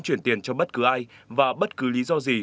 chuyển tiền cho bất cứ ai và bất cứ lý do gì